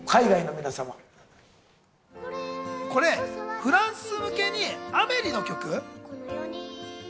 フランス向けに『アメリ』の曲。